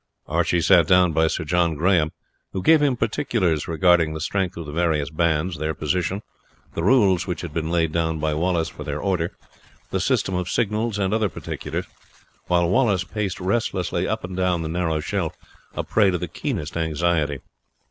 Archie sat down by Sir John Grahame, who gave him particulars regarding the strength of the various bands, their position, the rules which had been laid down by Wallace for their order, the system of signals and other particulars; while Wallace paced restlessly up and down the narrow shelf, a prey to the keenest anxiety.